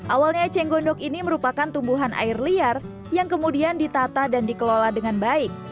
awalnya eceng gondok ini merupakan tumbuhan air liar yang kemudian ditata dan dikelola dengan baik